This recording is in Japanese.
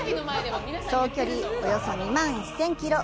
総距離およそ２万１０００キロ。